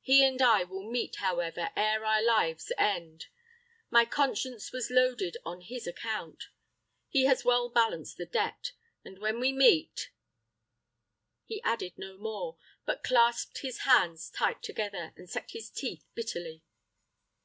He and I will meet, however, ere our lives end. My conscience was loaded on his account. He has well balanced the debt; and when we meet " He added no more, but clasped his hands tight together, and set his teeth bitterly.